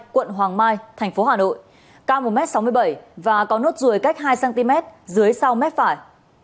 quận hoàng mai thành phố hà nội cao một m sáu mươi bảy và có nốt ruồi cách hai cm dưới sau mép phải